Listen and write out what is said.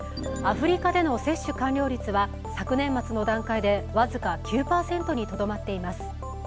アフリカでの接種完了率は昨年末の段階で僅か９％にとどまっています。